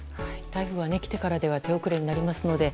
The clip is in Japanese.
台風は来てからでは手遅れになりますので。